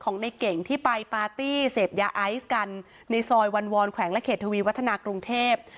ในเก่งที่ไปปาร์ตี้เสพยาไอซ์กันในซอยวันวอนแขวงและเขตทวีวัฒนากรุงเทพ